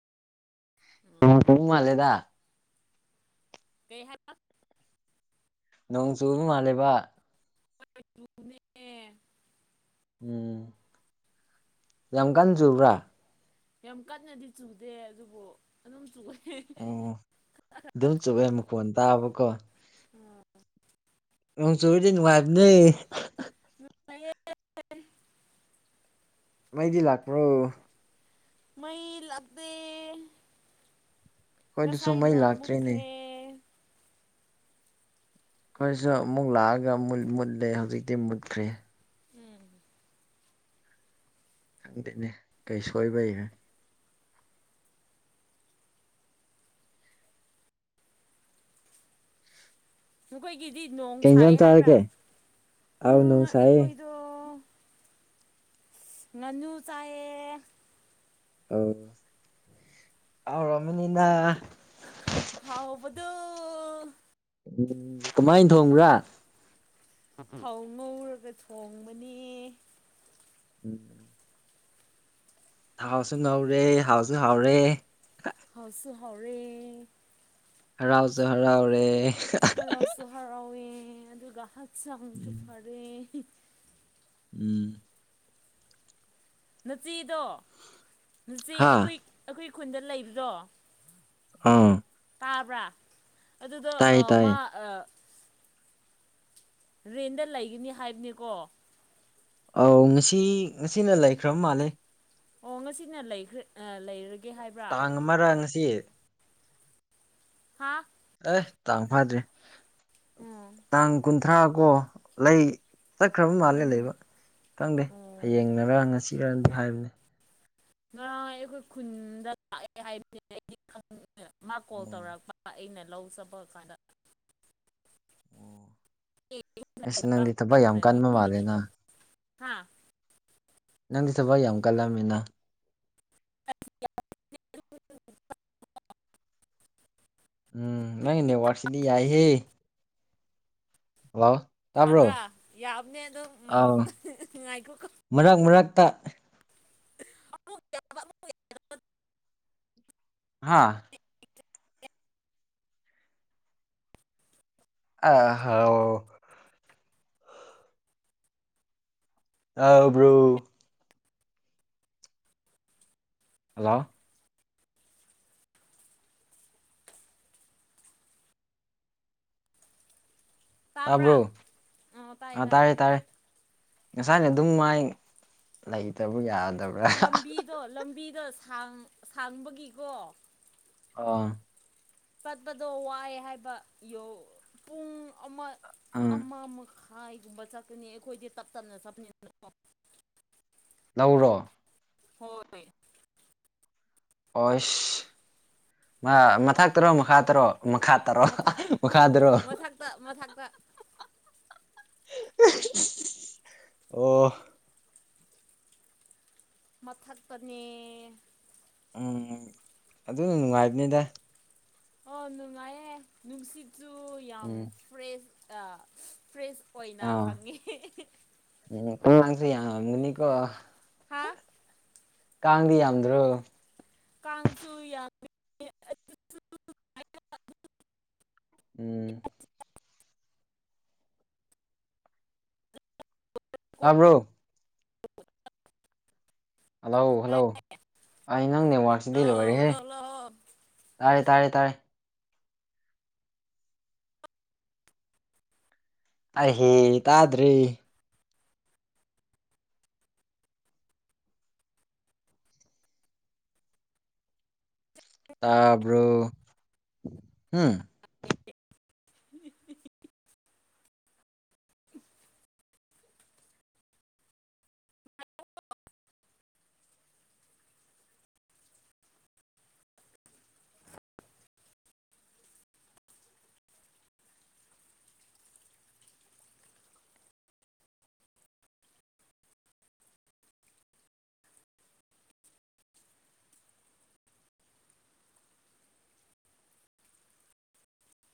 [unintelligible] ꯃꯥꯂꯦꯗ ꯀꯩ ꯍꯥꯏꯕ ꯅꯣꯡ ꯆꯨꯕ ꯃꯥꯜꯂꯦꯕ [unintelligible] ꯎꯝ ꯌꯥꯝ ꯀꯟ ꯆꯨꯕ꯭ꯔꯥ ꯌꯥꯝ ꯀꯟꯅꯗꯤ ꯆꯨꯗꯦ ꯑꯗꯨꯕꯨ ꯑꯗꯨꯝ ꯆꯨꯋꯦ ꯑꯣ ꯑꯗꯨꯝ ꯆꯨꯌꯦ ꯃꯈꯣꯜ ꯇꯥꯕꯀꯣ ꯎꯝ ꯅꯣꯡ ꯆꯨꯔꯗꯤ ꯅꯨꯡꯉꯥꯏꯕꯅꯦ ꯅꯨꯡꯉꯥꯏꯌꯦ ꯃꯩꯗꯤ ꯂꯥꯛꯄ꯭ꯔꯣ ꯃꯩ ꯂꯥꯛꯇꯦ ꯑꯩꯈꯣꯏꯗꯁꯨ ꯃꯩ ꯉꯁꯥꯏꯅ ꯂꯥꯛꯇ꯭ꯔꯦꯅꯦ ꯃꯨꯠꯈ꯭ꯔꯦ ꯑꯩꯈꯣꯏꯁꯨ ꯑꯃꯨꯛ ꯂꯥꯛꯑꯒ ꯃꯨꯠꯂꯦ ꯍꯧꯖꯤꯛꯇꯤ ꯃꯨꯠꯈ꯭ꯔꯦ ꯎꯝ ꯈꯪꯗꯦꯅꯦ ꯀꯩ ꯁꯣꯏꯕꯩ ꯅꯈꯣꯏꯒꯤꯗꯤ ꯅꯣꯡ ꯀꯩ ꯁꯥꯏ ꯏꯟꯖꯥꯡ ꯍꯥꯏꯕ꯭ꯔꯥ ꯆꯥꯔꯒꯦ ꯑꯥꯎ ꯎꯝ ꯅꯣꯡ ꯁꯥꯏꯌꯦ ꯑꯩꯈꯣꯏ ꯇꯣ ꯉꯅꯨ ꯆꯥꯏꯌꯦ ꯑꯧ [unintelligible] ꯍꯥꯎꯔꯃꯅꯤꯅ ꯍꯥꯎꯕꯗꯣ ꯎꯝ ꯀꯃꯥꯏꯅ ꯊꯣꯡꯕ꯭ꯔꯥ ꯐꯧ ꯉꯧꯔꯒ ꯊꯣꯡꯕꯅꯤ ꯎꯝ ꯊꯥꯎꯁꯨ ꯉꯧꯔꯦ ꯍꯥꯎꯁꯨ ꯍꯥꯎꯔꯦ ꯍꯥꯎꯁꯨ ꯍꯥꯎꯔꯦ ꯍꯔꯥꯎꯖꯨ ꯍꯔꯥꯎꯔꯦ [unintelligible] ꯍꯔꯥꯎꯁꯨ ꯍꯔꯥꯎꯋꯦ ꯑꯗꯨꯒ ꯍꯛꯆꯥꯡꯁꯨ ꯎꯝ ꯐꯔꯦ ꯎꯝ ꯅꯆꯦꯗꯣ ꯅꯆꯦ ꯍꯥ ꯑꯩꯈꯣꯏ ꯑꯩꯈꯣꯏ ꯈꯨꯟꯗ ꯂꯩꯕꯗꯣ ꯑꯥ ꯇꯥꯕ꯭ꯔꯥ ꯑꯗꯨꯗꯣ ꯇꯥꯏꯌꯦ ꯑꯥ ꯇꯥꯏꯌꯦ ꯃꯥ ꯑꯥ ꯔꯦꯟꯗ ꯂꯩꯒꯅꯤ ꯍꯥꯏꯕꯅꯤꯀꯣ ꯑꯧ ꯉꯁꯤ ꯉꯁꯤꯅ ꯂꯩꯈ꯭ꯔꯕ ꯃꯥꯜꯂꯦ ꯑꯣ ꯉꯁꯤꯅ ꯂꯩꯈ꯭ꯔꯦ ꯂꯩꯔꯒꯦ ꯍꯥꯏꯕ꯭ꯔꯥ ꯑꯃꯥꯡꯁꯤ ꯍꯥꯥ ꯑꯦ ꯇꯥꯡ ꯐꯗ꯭꯭ꯔꯔꯤ ꯎꯝ ꯇꯥꯡ ꯀꯨꯟꯊ꯭ꯔꯥ ꯀꯣ ꯂꯩ ꯆꯠꯈ꯭ꯔꯕ ꯃꯥꯜꯂꯦ ꯎꯝ ꯂꯩꯕ ꯈꯪꯗꯦ ꯑꯣ ꯍꯌꯦꯡꯅꯔ ꯉꯁꯤ ꯈꯔꯗꯤ ꯍꯥꯏꯕꯅꯦ ꯉꯔꯥꯡ ꯑꯩꯈꯣꯏ ꯈꯨꯟꯗ ꯂꯥꯛꯑꯦ ꯍꯥꯏꯕꯁꯤꯅ ꯑꯩꯗꯤ ꯃꯥ ꯀꯣꯜ ꯎꯝ ꯇꯧꯔꯛꯄ ꯑꯩꯅ ꯂꯧ ꯆꯠꯄ ꯀꯥꯟꯗ ꯑꯣ ꯑꯁ ꯍꯥꯏꯕ ꯅꯪꯗꯤ ꯊꯕꯛ ꯌꯥꯝ ꯀꯟꯕ ꯃꯥꯜꯂꯦꯅ ꯍꯥ ꯅꯪꯗꯤ ꯊꯕꯛ ꯌꯥꯝ ꯀꯜꯂꯝꯃꯤꯅ [unintelligible] ꯎꯝ ꯅꯪꯒꯤ ꯅꯦꯠꯋꯥꯔꯛꯁꯤꯗꯤ ꯌꯥꯏꯍꯦ ꯍꯜꯂꯣ ꯇꯥꯕ꯭ꯔꯣ ꯐꯒ꯭ꯔꯥ ꯌꯥꯕꯅꯦ ꯑꯝ ꯎꯝ ꯑꯥꯎ ꯅꯨꯡꯉꯥꯏꯈꯣ ꯃꯔꯛ ꯃꯔꯛꯇ [unintelligible] ꯍꯥꯥ [unintelligible] ꯑ ꯍꯥꯎ ꯇꯥꯕ꯭ꯔꯣ ꯍꯜꯂꯣ ꯇꯥꯕ꯭ꯔꯥ ꯇꯥꯕ꯭ꯔꯣ ꯑꯣ ꯇꯥꯏ ꯑ ꯇꯥꯏ ꯇꯔꯦ ꯇꯔꯦ ꯉꯁꯥꯏꯅ ꯑꯗꯨꯝ ꯃꯥꯏ ꯂꯩꯇꯕ ꯌꯥꯗꯕ꯭ꯔꯥ ꯑꯗꯣ ꯂꯝꯕꯤꯗ ꯁꯥꯡꯕꯒꯤꯀꯣ ꯑꯥ ꯄꯠꯄꯗꯣ ꯋꯥꯏ ꯍꯥꯏꯕ ꯄꯨꯡ ꯑꯃ ꯎꯝ ꯑꯃꯃꯈꯥꯏ ꯍꯥꯏꯒꯨꯝꯕ ꯆꯠꯀꯅꯤ ꯑꯩꯈꯣꯏꯗꯤ ꯇꯞ ꯇꯞꯅ ꯆꯠꯄꯅꯤꯗꯅꯀꯣ ꯂꯧꯔꯣ ꯍꯣꯏ ꯑꯣꯁ ꯃꯊꯛ ꯇꯔꯣ ꯃꯈꯥ ꯇꯔꯣ ꯃꯈꯥ ꯇꯔꯣ ꯃꯈꯥꯗꯔꯣ ꯇ ꯃꯊꯛꯇ ꯑꯣ ꯃꯊꯛꯇꯅꯦ ꯎꯝ ꯑꯗꯨꯅ ꯅꯨꯡꯉꯥꯏꯕꯅꯤꯗ ꯑꯣ ꯅꯨꯡꯉꯥꯏꯌꯦꯦ ꯅꯨꯡꯁꯤꯠꯁꯨ ꯌꯥꯝ ꯎꯝ ꯐ꯭ꯔꯦꯁ ꯐ꯭ꯔꯦꯁ ꯑꯣꯏꯅ ꯑꯥ ꯐꯪꯉꯦ ꯎꯝ ꯀꯥꯡꯁꯦ ꯌꯥꯝ ꯉꯝꯒꯅꯤꯀꯣ ꯍꯥ ꯀꯥꯡꯗꯤ ꯌꯥꯝꯗ꯭ꯔꯣ ꯀꯥꯟꯁꯨꯨ ꯌꯥꯝ [unintelligible] ꯎꯝ ꯇꯥꯕ꯭ꯔꯣ ꯍꯜꯂꯣ ꯍꯜꯂꯣ ꯑꯩ ꯅꯪ ꯅꯦꯠꯋꯥꯔꯛꯁꯤꯗꯤ ꯂꯣ ꯂꯣꯏꯔꯦꯍꯦ ꯂꯣ ꯂꯣ ꯇꯥꯔꯦ ꯇꯥꯔꯦ ꯇꯥꯔꯦ ꯑꯩꯍꯦ ꯇꯥꯗ꯭ꯔꯦ ꯇꯥꯕ꯭ꯔꯣ ꯎꯝ ꯎ [inaudible]